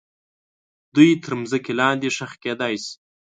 دوی تر مځکې لاندې ښخ کیدای سي.